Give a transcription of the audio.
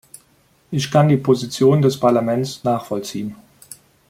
Ich kann die Position des Parlaments nachvollziehen.